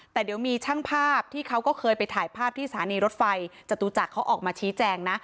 แต่เดี๋ยวมีช่างภาพที่เขาก็เคยไปถ่ายภาพที่สถานีรถไฟจตุจักรเขาออกมาชี้แจงนะ